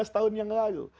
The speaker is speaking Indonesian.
lima belas tahun yang lalu